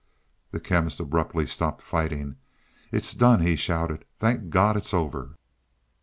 The Chemist abruptly stopped fighting. "It's done," he shouted. "Thank God it's over."